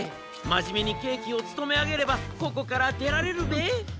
まじめにけいきをつとめあげればここからでられるべえ。